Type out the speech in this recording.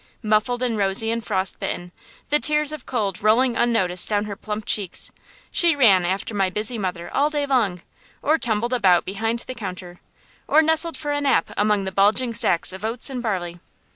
Muffled and rosy and frost bitten, the tears of cold rolling unnoticed down her plump cheeks, she ran after my busy mother all day long, or tumbled about behind the counter, or nestled for a nap among the bulging sacks of oats and barley.